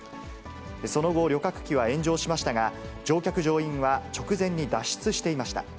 その後、旅客機は炎上しましたが、乗客・乗員は直前に脱出していました。